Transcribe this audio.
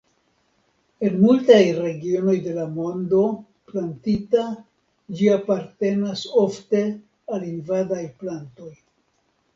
En multaj regionoj de la mondo plantita ĝi apartenas ofte al invadaj plantoj.